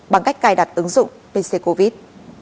bằng cách cài đặt ứng dụng bệnh sẽ covid